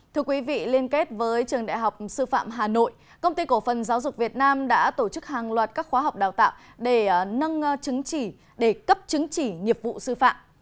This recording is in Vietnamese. thưa quý vị liên kết với trường đại học sư phạm hà nội công ty cổ phần giáo dục việt nam đã tổ chức hàng loạt các khóa học đào tạo để nâng chứng chỉ để cấp chứng chỉ nghiệp vụ sư phạm